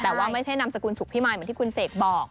แต่ว่าไม่ใช่นามสกุลสุขพิมายเหมือนที่คุณเสกบอก